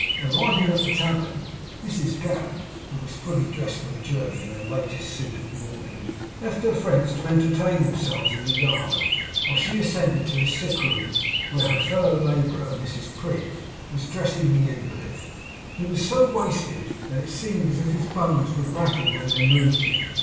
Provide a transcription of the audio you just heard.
Arriving at the tavern, Mrs Gamp (who was full dressed for the journey, in her latest suit of mourning) left her friends to entertain themselves in the yard, while she ascended to the sick room, where her fellow labourer Mrs Prig was dressing the invalid. He was so wasted, that it seemed as if his bones would rattle when they moved him.